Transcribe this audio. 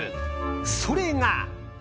それが。